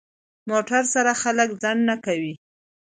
موټر سره خلک ځنډ نه کوي.